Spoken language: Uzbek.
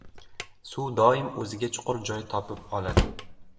• Suv doim o‘ziga chuqur joy topib oladi.